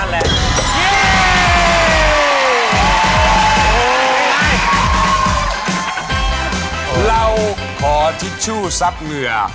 เราขอทิชชู่ซับเหงื่อ